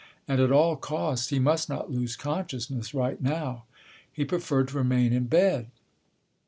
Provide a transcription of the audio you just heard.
And at all costs he must not lose consciousness right now. He preferred to remain in bed.